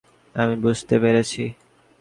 আমি বুঝতে পেরেছি।